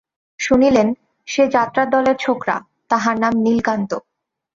শুনিলেন, সে যাত্রার দলের ছোকরা, তাহার নাম নীলকান্ত।